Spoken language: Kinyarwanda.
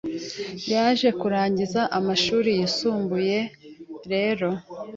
Naje kurangiza amashuri yisumbuye rero